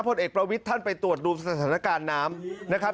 ผลเอกประวิทย์ท่านไปตรวจดูสถานการณ์น้ำนะครับ